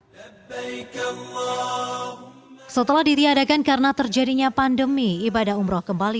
hai bebek allah setelah didiadakan karena terjadinya pandemi ibadah umroh kembali